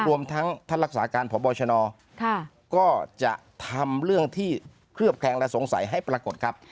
รวมทั้งท่านรักษาการพบชนก็จะทำเรื่องที่เคลือบแคลงและสงสัยให้ปรากฏครับ